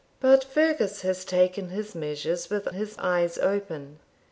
But Fergus has taken his measures with his eyes open.